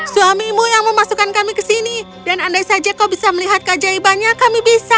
suamimu yang memasukkan kami ke sini dan andai saja kau bisa melihat keajaibannya kami bisa